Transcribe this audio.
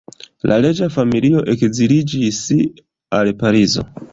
La reĝa familio ekziliĝis al Parizo.